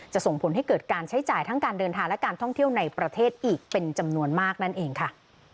ส่งผลให้เกิดการใช้จ่ายทั้งการเดินทางและการท่องเที่ยวในประเทศอีกเป็นจำนวนมากนั่นเองค่ะ